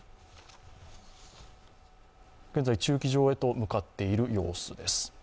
現在、駐機場へと向かっている様子です。